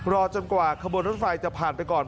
รอจนกว่าขบวนรถไฟจะผ่านไปก่อน